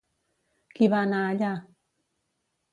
Qui va anar allà?